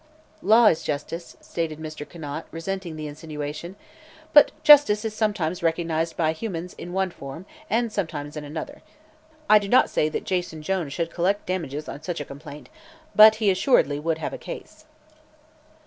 "Law is justice," stated Mr. Conant, resenting the insinuation, "but justice is sometimes recognized by humans in one form, and sometimes in another. I do not say that Jason Jones could collect damages on such complaint, but he assuredly would have a case."